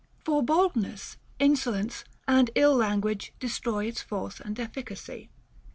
For boldness, insolence, and ill language destroy its force and efficacy.